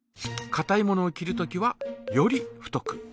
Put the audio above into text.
かたいものを切るときはより太く。